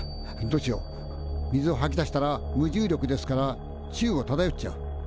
どうしよう」水をはき出したら無重力ですから宙をただよっちゃう。